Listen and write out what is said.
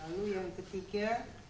lalu yang ketiga